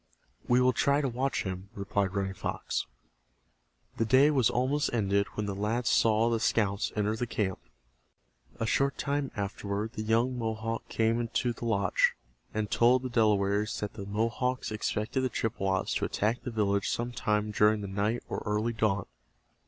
"We will try to watch him," replied Running Fox. The day was almost ended when the lads saw the scouts enter the camp. A short time afterward the young Mohawk came to the lodge, and told the Delawares that the Mohawks expected the Chippewas to attack the village some time during the night or early dawn.